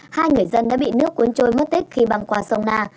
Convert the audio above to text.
hai người dân đã bị nước cuốn trôi mất tích khi băng qua sông na